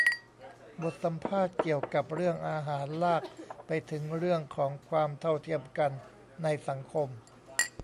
บทสัมภาษณ์เกี่ยวกับเรื่องอาหารลากไปถึงเรื่องของความเท่าเทียมกันในสังคม